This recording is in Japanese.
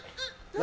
何？